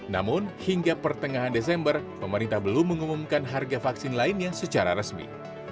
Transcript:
namun hingga pertengahan desember pemerintah belum mengumumkan harga vaksin lainnya secara resmi